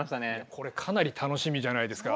これかなり楽しみじゃないですか。